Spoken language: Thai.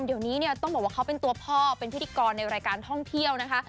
เดี๋ยวนี้เนี่ยต้องบอกว่าเขาเป็นตัวพ่อเป็นพิธีกรในรายการท่องเที่ยวนะคะ